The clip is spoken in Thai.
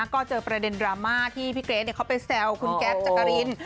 ก็เจอประเด็นดราม่าที่พี่เกรทเขาไปแซวคุณแก๊ปจักริน